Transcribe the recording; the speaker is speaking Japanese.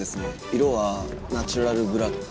色はナチュラルブラック。